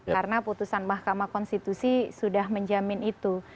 karena putusan mahkamah konstitusi sudah menjamin itu